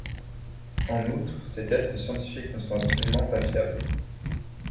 En outre, ces tests scientifiques ne sont absolument pas fiables.